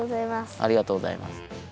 ありがとうございます。